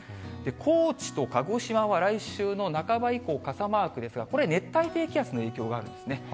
高知と鹿児島は来週の半ば以降、傘マークですが、これ、熱帯低気圧の影響があるんですね。